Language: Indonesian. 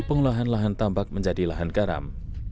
pengolahan lahan tambak menjadi lahan garam